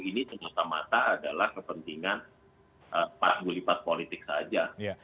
ini tersusah mata adalah kepentingan para gulipas politik saja